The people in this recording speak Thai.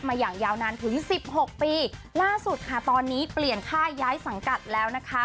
อย่างยาวนานถึงสิบหกปีล่าสุดค่ะตอนนี้เปลี่ยนค่าย้ายสังกัดแล้วนะคะ